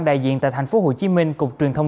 đại diện tại thành phố hồ chí minh cục truyền thông